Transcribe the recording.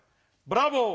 ブラボー。